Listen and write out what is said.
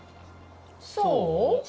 そう？